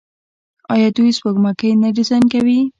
آیا دوی سپوږمکۍ نه ډیزاین کوي؟